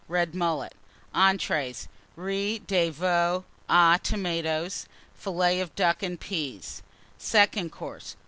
Red Mullet. ENTREES. Riz de Veau aux Tomates. Fillets of Ducks and Peas. SECOND COURSE.